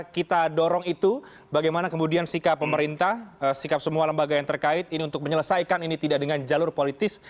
kita dorong itu bagaimana kemudian sikap pemerintah sikap semua lembaga yang terkait ini untuk menyelesaikan ini tidak dengan jalur politis